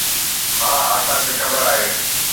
ها اسان کي خبر آهي.